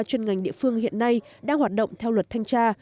chuyên ngành địa phương hiện nay đang hoạt động theo luật thanh tra